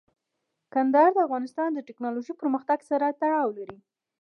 کندهار د افغانستان د تکنالوژۍ پرمختګ سره تړاو لري.